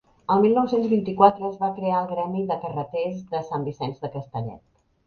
El mil nou-cents vint-i-quatre es va crear el Gremi de Carreters de Sant Vicenç de Castellet.